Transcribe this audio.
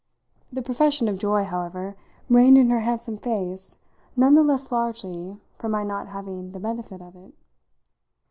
The profession of joy, however, reigned in her handsome face none the less largely for my not having the benefit of it.